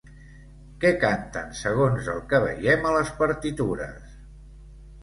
Què canten segons el que veiem a les partitures?